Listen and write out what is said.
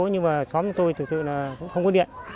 nhưng mà xóm tôi thực sự rất là khó khăn